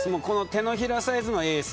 手のひらサイズの衛星。